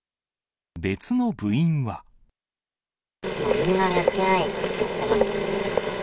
みんなやってないって言ってるし。